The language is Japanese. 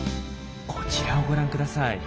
こちらをご覧ください。